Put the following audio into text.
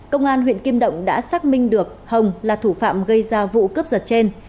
công an huyện kim động đã xác minh được hồng là thủ phạm gây ra vụ cướp giật trên